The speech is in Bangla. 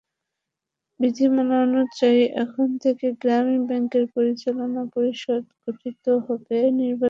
বিধিমালা অনুযায়ী, এখন থেকে গ্রামীণ ব্যাংকের পরিচালনা পরিষদ গঠিত হবে নির্বাচনের মাধ্যমে।